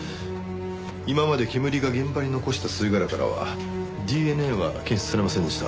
今までけむりが現場に残した吸い殻からはＤＮＡは検出されませんでした。